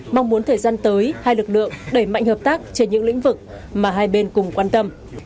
mong muốn thời gian tới hai lực lượng đẩy mạnh hợp tác trên những lĩnh vực mà hai bên cùng quan tâm